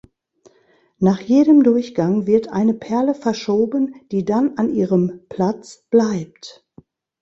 Nach jedem Durchgang wird eine Perle verschoben, die dann an ihrem Platz bleibt.